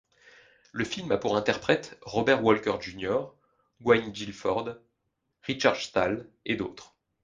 Le film a pour interprètes Robert Walker Jr., Gwynne Gilford, Richard Stahl et d'autres.